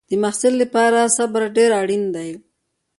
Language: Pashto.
د محصل لپاره صبر ډېر اړین دی.